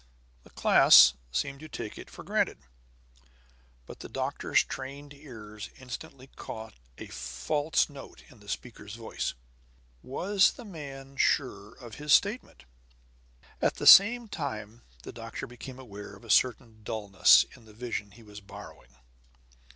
The class seemed to take it for granted; but the doctor's trained ears instantly caught a false note in the speaker's voice. Was the man sure of his statement? At the same time the doctor became aware of a certain dullness in the vision he was borrowing.